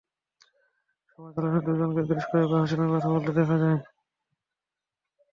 সভা চলার সময় দুজনকে বেশ কয়েকবার হাসিমুখে কথা বলতে দেখা যায়।